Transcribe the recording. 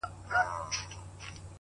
تاسي له خدایه سره څه وکړل کیسه څنګه سوه،